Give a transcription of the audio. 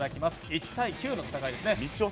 １対９の戦いです。